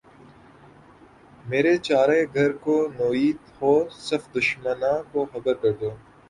مرے چارہ گر کو نوید ہو صف دشمناں کو خبر کرو